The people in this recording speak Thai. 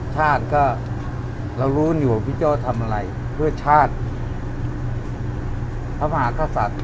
ชาติก็เรารู้อยู่ว่าพี่โจ้ทำอะไรเพื่อชาติพระมหากษัตริย์